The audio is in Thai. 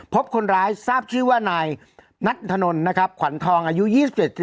พบคนร้ายทราบชื่อว่าไหนนัดถนนนะครับขวัญทองอายุยี่สิบเจ็ด